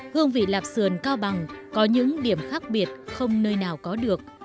hương vị lạp sườn cao bằng có những điểm khác biệt không nơi nào có được